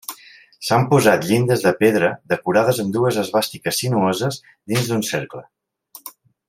S'han posat llindes de pedra decorades amb dues esvàstiques sinuoses dins un cercle.